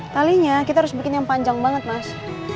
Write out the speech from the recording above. talinya kita harus bikin yang panjang banget mas